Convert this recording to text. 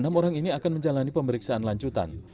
enam orang ini akan menjalani pemeriksaan lanjutan